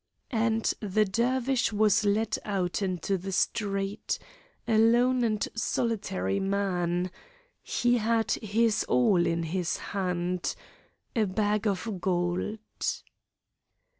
And the Dervish was led out into the street, a lone and solitary man; he had his all in his hand a bag of gold.